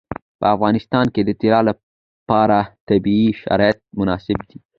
په افغانستان کې د طلا لپاره طبیعي شرایط مناسب دي.